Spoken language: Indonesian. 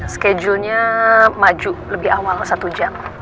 schedulenya maju lebih awal satu jam